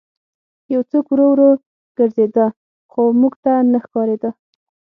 یو څوک ورو ورو ګرځېده خو موږ ته نه ښکارېده